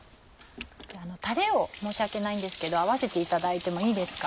たれを申し訳ないんですけど合わせていただいてもいいですか。